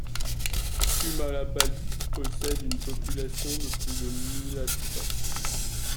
Tumalapalli possède une population de plus de mille habitants.